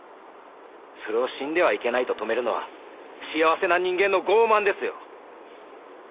それを死んではいけないと止めるのは幸せな人間の傲慢ですよ。